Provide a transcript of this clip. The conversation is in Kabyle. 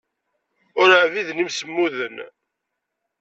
Ur ɛbiden imsemmuden.